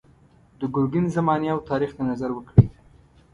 د ګرګین زمانې او تاریخ ته نظر وکړئ.